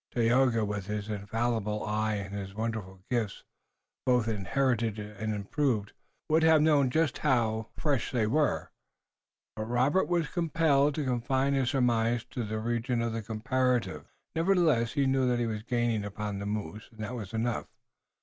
Tayoga, with his infallible eye and his wonderful gifts, both inherited and improved, would have known just how fresh they were, but Robert was compelled to confine his surmise to the region of the comparative. Nevertheless, he knew that he was gaining upon the moose and that was enough.